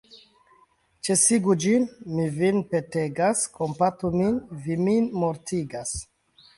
Ĉesigu ĝin, mi vin petegas; kompatu min; vi min mortigas.